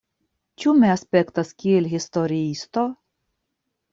Ĉu mi aspektas kiel historiisto?